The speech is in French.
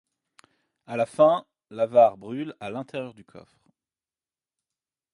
À la fin, l'avare brûle à l'intérieur du coffre.